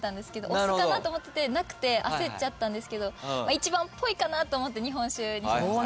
お酢かなと思っててなくて焦っちゃったんですけど一番ぽいかなと思って日本酒にしました。